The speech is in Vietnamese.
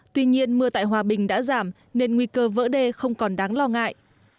tuy nhiên mưa tại hòa bình đã giảm nên nguy cơ vỡ đê không còn đáng lo ngại